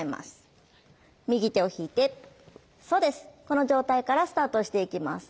この状態からスタートしていきます。